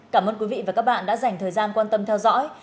cảm ơn quý vị và các bạn đã dành thời gian quan tâm theo dõi